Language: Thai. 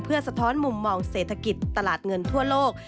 สะท้อนมุมมองเศรษฐกิจตลาดเงินทั่วโลก